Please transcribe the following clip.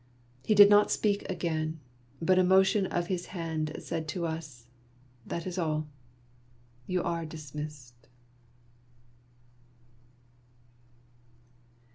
He did not speak again, but a motion of his hand said to us, —" That is all. You are dismissed."